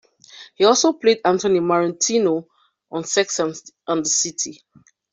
He also played Anthony Marentino on "Sex and the City".